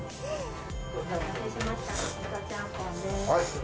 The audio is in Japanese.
はい。